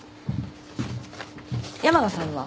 山賀さんは？